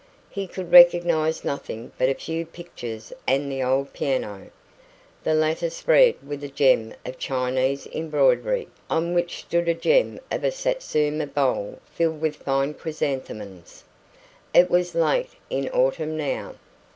He could recognise nothing but a few pictures and the old piano, the latter spread with a gem of Chinese embroidery, on which stood a gem of a Satsuma bowl filled with fine chrysanthemums. It was late in autumn now.